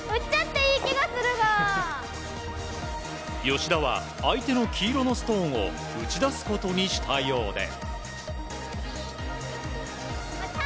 吉田は相手の黄色のストーンを打ち出すことにしたようで。